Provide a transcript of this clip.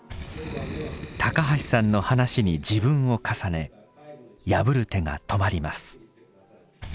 橋さんの話に自分を重ね破る手が止まります。